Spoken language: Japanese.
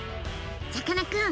さかなクン！